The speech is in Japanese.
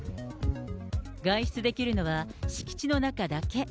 外出できるのは敷地の中だけ。